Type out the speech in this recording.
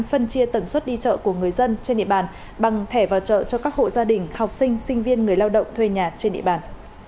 phân chia tần suất đi chợ của người dân trên địa bàn bằng thẻ vào chợ cho các hộ gia đình học sinh sinh viên người lao động thuê nhà trên địa bàn